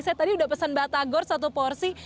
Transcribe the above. saya tadi udah pesan batagor satu porsi